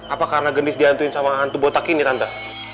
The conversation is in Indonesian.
apa karena gendis dihantuin sama hantu botak ini tante